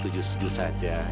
dia bukanlah orangnya hanya itu